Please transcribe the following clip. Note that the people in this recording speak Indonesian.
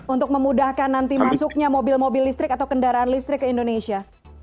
untuk memudahkan nanti masuknya mobil mobil listrik atau kendaraan listrik ke indonesia